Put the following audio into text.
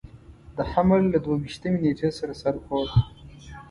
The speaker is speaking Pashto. د حمل له دوه ویشتمې نېټې سره سر خوړ.